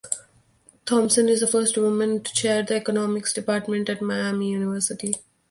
Thomasson is the first woman to chair the economics department at Miami University.